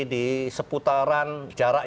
di seputaran jarak